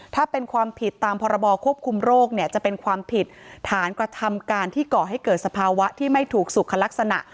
ถ้าเป็นความผิดตามพรบควบคุมโรคเนี่ยจะเป็นความผิดฐานกระทำการที่ก่อให้เกิดสภาวะที่ไม่ถูกสุขลักษณะ